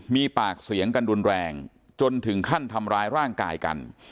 มีปากเสียงกันรุนแรงจนถึงขั้นทำร้ายร่างกายกัน